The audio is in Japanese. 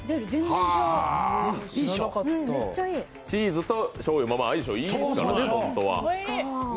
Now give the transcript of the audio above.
チーズとしょうゆ、相性いいですからね。